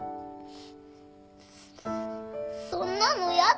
そんなのやだ。